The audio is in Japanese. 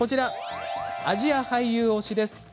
アジア俳優推しです。